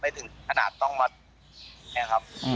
ไม่ถึงขนาดต้องมอง